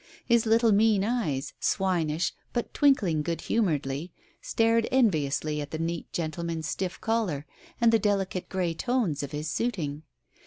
His little mean eyes, swinish, but twinkling good humouredly, stared enviously at the neat gentleman's stiff collar and the delicate grey tones of his suiting.